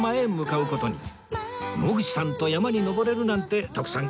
野口さんと山に登れるなんて徳さん